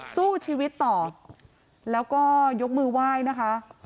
สู้ชีวิตต่อแล้วก็ยกมือไหว้นะคะ